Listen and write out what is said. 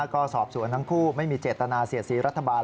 ก็สอบสวนทั้งคู่ไม่มีเจตนาเสียสีรัฐบาล